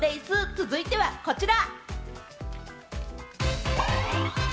続いてはこちら。